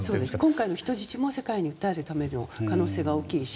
今回の人質も、世界に訴えるための可能性が大きいし。